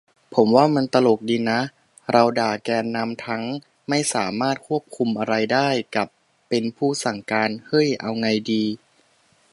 ผมว่ามันตลกดีนะ เราด่าแกนนำทั้ง "ไม่สามารถควบคุมอะไรได้" กับ "เป็นผู้สั่งการ" เฮ้ย เอาไงดี